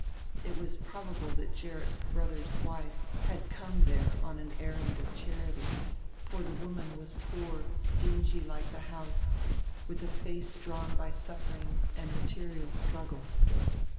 It was probable that Gerrit's brother's wife had come there on an errand of charity for the woman was poor, dingy like the house, with a face drawn by suffering and material struggle.